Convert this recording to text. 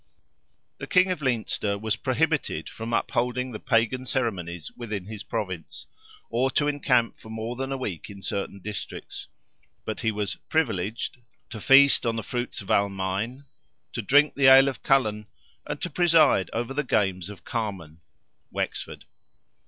The King of Leinster was "prohibited" from upholding the Pagan ceremonies within his province, or to encamp for more than a week in certain districts; but he was "privileged" to feast on the fruits of Almain, to drink the ale of Cullen, and to preside over the games of Carman, (Wexford.)